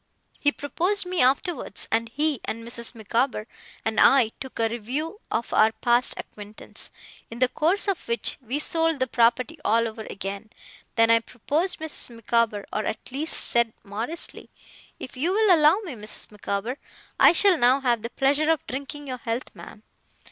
He proposed me afterwards; and he, and Mrs. Micawber, and I, took a review of our past acquaintance, in the course of which we sold the property all over again. Then I proposed Mrs. Micawber: or, at least, said, modestly, 'If you'll allow me, Mrs. Micawber, I shall now have the pleasure of drinking your health, ma'am.